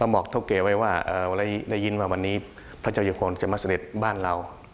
แล้วบอกเทาเกว่าว่าในวันนี้พระเจ้าอยู่โหจะมาเสด็จบ้านเรา